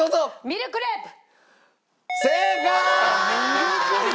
ミルクレープか！